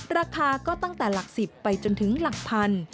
ราคาก็ตั้งแต่หลัก๑๐ไปจนถึงหลักพัน